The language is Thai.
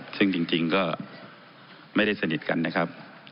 ซึ่งจริงก็ไม่ได้สนิทกันนะครับ